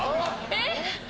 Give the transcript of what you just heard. えっ？